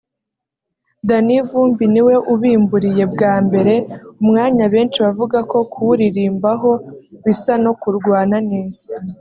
Danny Vumbi ni we ubimburiye bwa mbere [umwanya benshi bavuga ko kuwuririmbaho bisa no kurwana n’Isi]